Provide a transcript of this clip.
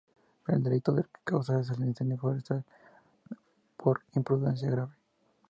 El delito del que se acusa es el de "incendio forestal por imprudencia grave".